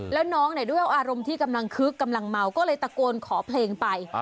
แล้วน้องเนี่ยด้วยอารมณ์ที่กำลังคึกกำลังเมาก็เลยตะโกนขอเพลงไป